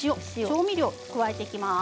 調味料を加えていきます。